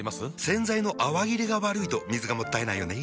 洗剤の泡切れが悪いと水がもったいないよね。